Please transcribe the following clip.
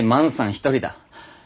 一人だ。